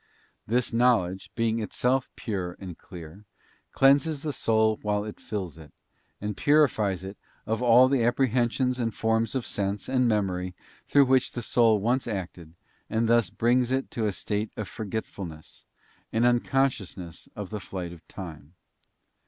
This knowledge, being itself pure and clear, cleanses the soul while it fills it, and purifies it of all the apprehensions and forms of sense and memory through which the soul once acted, and thus brings it to a state of forgetfulness, and unconsciousness of the flight of time.